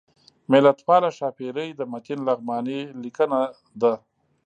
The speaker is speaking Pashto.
ملتپاله ښاپیرۍ د متین لغمانی لیکنه ده